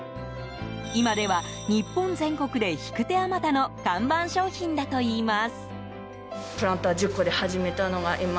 今では日本全国で引く手あまたの看板商品だといいます。